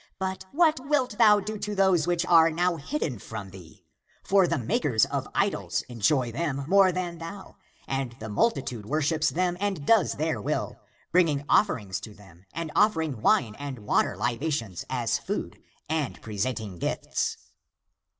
But what wilt thou do to those which are now hidden from thee? For the makers of idols (of wood and stone) enjoy them (the demons dwelling in them) more than thou, and the multi tude worships them and does their will, bringing offerings to them and offering wine and water liba tions as food and presenting gifts."